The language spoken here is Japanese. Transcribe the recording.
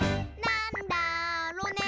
なんだろね。